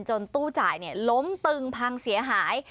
จนตู้จ่ายเนี่ยล้มตึงพังเสียหาย